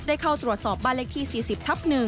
เข้าตรวจสอบบ้านเลขที่๔๐ทับ๑